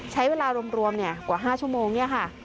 ใช้เวลารวมกว่า๕ชั่วโมงเนี่ยค่ะ